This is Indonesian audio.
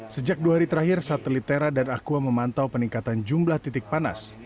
sejak dua hari terakhir satelit tera dan aqua memantau peningkatan jumlah titik panas